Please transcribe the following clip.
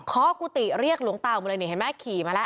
กุฏิเรียกหลวงเตามาเลยนี่เห็นไหมขี่มาแล้ว